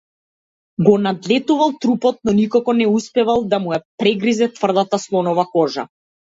Го надлетувал трупот, но никако не успевал да му ја прегризе тврдата слонова кожа.